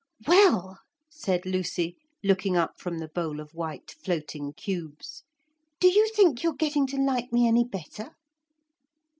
'Well,' said Lucy, looking up from the bowl of white floating cubes, 'do you think you're getting to like me any better?'